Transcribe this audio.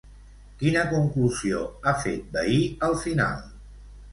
Quina conclusió ha fet Vehí al final?